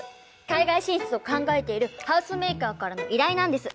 海外進出を考えているハウスメーカーからの依頼なんです。